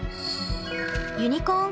ユニコーン